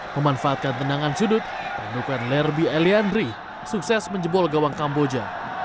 memanfaatkan tendangan sudut renuken lerby eliandri sukses menjebol gawang kamboja